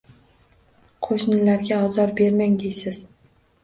Qoʻshnilarga ozor bermang deysiz